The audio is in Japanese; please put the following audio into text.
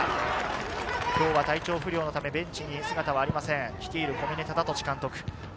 体調不良のため、ベンチに姿はありません、小嶺忠敏監督。